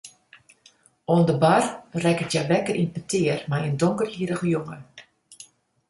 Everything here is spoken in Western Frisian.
Oan de bar rekket hja wakker yn petear mei in donkerhierrige jonge.